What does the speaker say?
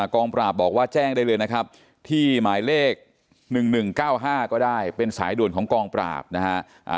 กองปราบบอกว่าแจ้งได้เลยนะครับที่หมายเลข๑๑๙๕ก็ได้เป็นสายด่วนของกองปราบนะฮะ